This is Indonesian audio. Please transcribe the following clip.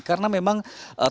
karena memang tamu